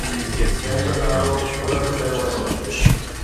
جنهن جو نعرو بلند ڪيو وڃي